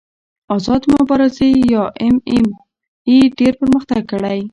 آزادې مبارزې یا ایم ایم اې ډېر پرمختګ کړی.